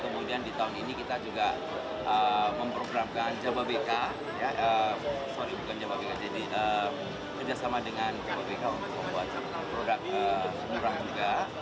kemudian di tahun ini kita juga memprogramkan jababeka sorry bukan jababeka jadi kerjasama dengan klbk untuk membuat produk murah juga